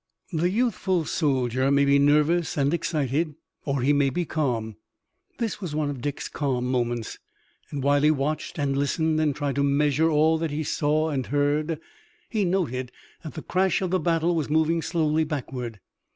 The youthful soldier may be nervous and excited, or he may be calm. This was one of Dick's calm moments, and, while he watched and listened and tried to measure all that he saw and heard, he noted that the crash of the battle was moving slowly backward.